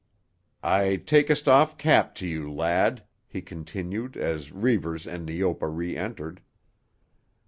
"I takest off cap to you, lad," he continued as Reivers and Neopa re entered.